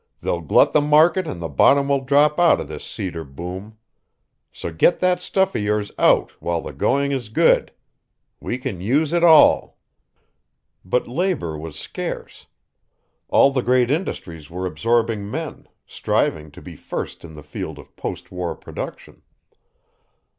They'll glut the market and the bottom will drop out of this cedar boom. So get that stuff of yours out while the going is good. We can use it all." But labor was scarce. All the great industries were absorbing men, striving to be first in the field of post war production.